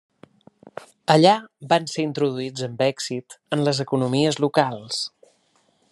Allà van ser introduïts amb èxit en les economies locals.